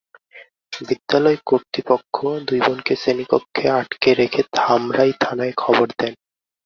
বিদ্যালয় কর্তৃপক্ষ দুই বোনকে শ্রেণীকক্ষে আটকে রেখে ধামরাই থানায় খবর দেন।